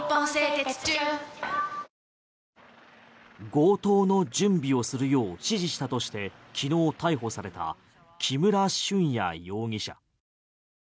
強盗の準備をするよう指示したとしてきのう逮捕された木村俊哉容疑者。